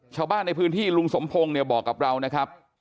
ชาวบ้านในพื้นที่ลุงสมพงศ์เนี่ยบอกกับเรานะครับ